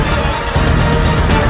ketika kanda menang kanda menang